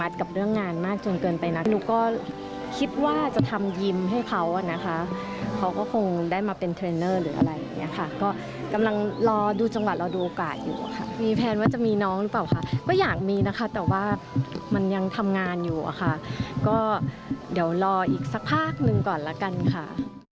ให้เขานะคะเขาก็คงได้มาเป็นเทรนเนอร์หรืออะไรอย่างนี้ค่ะก็กำลังรอดูจังหวัดรอดูโอกาสอยู่ค่ะมีแพลนว่าจะมีน้องรึเปล่าค่ะก็อยากมีนะคะแต่ว่ามันยังทำงานอยู่ค่ะก็เดี๋ยวรออีกสักพาคหนึ่งก่อนละกันค่ะ